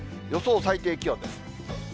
予想最低気温です。